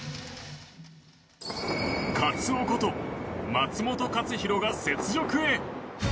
カツオこと松元克央が雪辱へ！